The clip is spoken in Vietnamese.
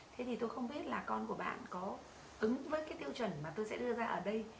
thế thì tôi không biết là con của bạn có ứng với cái tiêu chuẩn mà tôi sẽ đưa ra ở đây